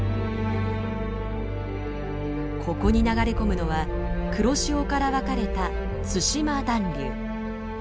ここに流れ込むのは黒潮から分かれた対馬暖流。